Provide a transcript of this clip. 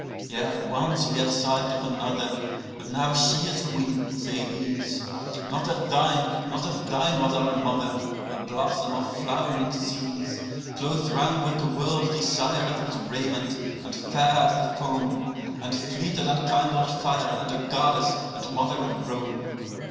77Yea, once we had sight of another: but now she is queen, say these.78Not as thine, not as thine was our mother, a blossom of flowering seas,79Clothed round with the world's desire as with raiment, and fair as the foam,80And fleeter than kindled fire, and a goddess, and mother of Rome.